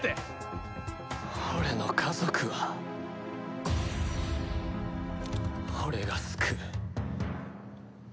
俺の家族は俺が救う。